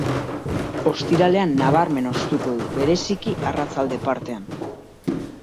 Ostiralean nabarmen hoztuko du, bereziki arratsalde partean.